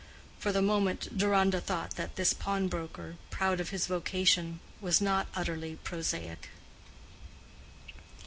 For the moment, Deronda thought that this pawnbroker, proud of his vocation, was not utterly prosaic.